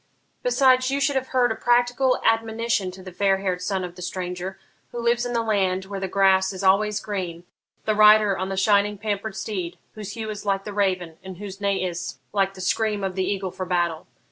Besides, you should have heard a practical admonition to the fair haired son of the stranger, who lives in the land where the grass is always green the rider on the shining pampered steed, whose hue is like the raven, and whose neigh is like the scream of the eagle for battle.